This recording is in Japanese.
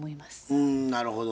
うんなるほど。